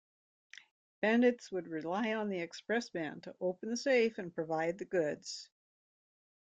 Bandits would rely on the expressman to open the safe and provide the goods.